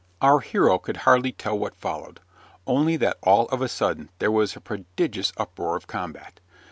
Our hero could hardly tell what followed, only that all of a sudden there was a prodigious uproar of combat.